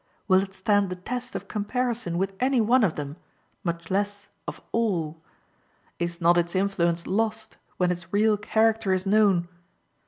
Will it stand the test of comparison with any one of them, much less of all? Is not its influence lost when its real character is known?